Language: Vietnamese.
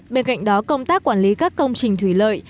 bên cạnh đó công tác quản lý các công trình thủy lợi